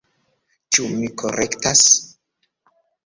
Ĉu mi korektas?